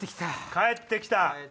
返ってきた！